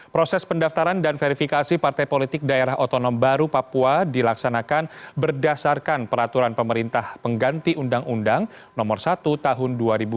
proses pendaftaran dan verifikasi partai politik daerah otonom baru papua dilaksanakan berdasarkan peraturan pemerintah pengganti undang undang no satu tahun dua ribu dua puluh